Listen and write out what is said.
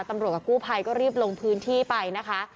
ตำรวจกับกู้ไพก็รีบลงไปนะคะ